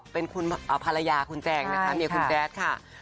เป็นภารายาคุณแจ้งนะคะ